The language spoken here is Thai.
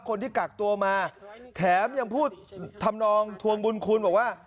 คนที่กักตัวมาแถมยังพูดทำนองทวงบุญคุณบอกว่า